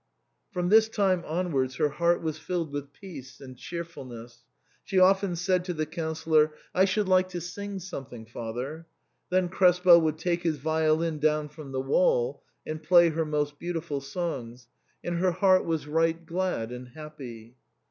From this time onwards her life was filled with peace and cheerfulness. She often said to the Councillor, " I should like to sing something, father." Then Krespel would take his violin down from the wall and play her most beautiful songs, and her heart was right glad and happy.